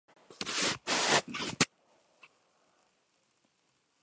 Los indígenas no serían entregados por ningún motivo al sistema de encomiendas.